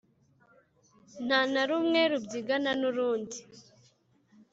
Nta na rumwe rubyigana n’urundi,